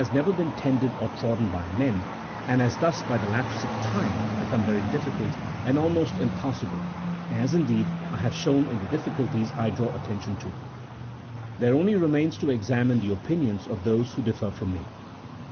never been tended or trodden by men, and lias thus, by the lapse of time, become veiy difficult, and almost impass able, as, indeed, I have shown in the difficulties I draw attention to. There only remains to examine the opinions of those who differ from me.